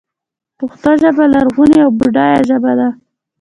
پښتو ژبه لرغونۍ او بډایه ژبه ده.